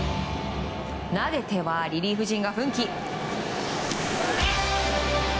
投げてはリリーフ陣が奮起。